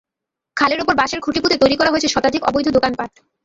খালের ওপর বাঁশের খুঁটি পুঁতে তৈরি করা হয়েছে শতাধিক অবৈধ দোকানপাট।